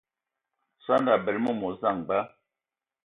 Sɔndɔ a bəle məmos samgbal.